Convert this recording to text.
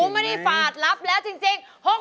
ไม่ได้ฝาดรับแล้วจริง